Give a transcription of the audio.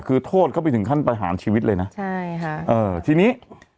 คือโทษเข้าไปถึงขั้นประหารชีวิตเลยนะใช่ค่ะเออทีนี้